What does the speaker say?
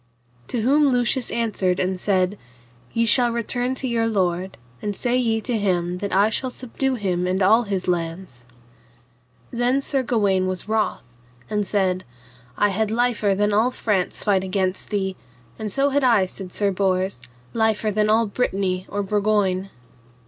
To whom Lucius answered and said, Ye shall return to your lord, and say ye to him that I shall subdue him and all his lands. Then Sir Gawaine was wroth and said, I had liefer than all France fight against thee; and so had I, said Sir Bors, liefer than all Brittany or Burgoyne.